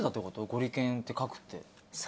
ゴリケンって書くって。